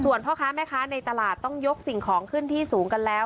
ส่วนพ่อค้าแม่ค้าในตลาดต้องยกสิ่งของขึ้นที่สูงกันแล้ว